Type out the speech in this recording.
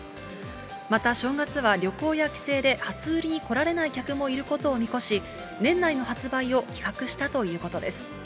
また正月は、旅行や帰省で初売りに来られない客もいることを見越し、年内の発売を企画したということです。